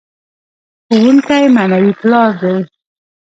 ښوونکی معنوي پلار دی.